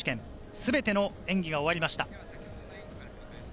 全ての演技が終わりました。